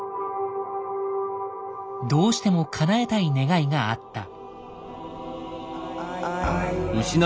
どうしてもかなえたい願いがあった。